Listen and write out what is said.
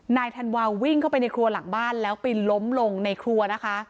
ธันวาวิ่งเข้าไปในครัวหลังบ้านแล้วไปล้มลงในครัวนะคะ